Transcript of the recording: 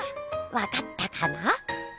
わかったかな？